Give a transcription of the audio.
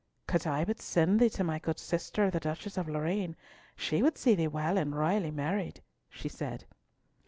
"Could I but send thee to my good sister, the Duchess of Lorraine, she would see thee well and royally married," she said.